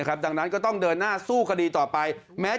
จะต้องมีความผิดจะต้องมีบาปติดตัวไปตลอดชีวิตแน่นอน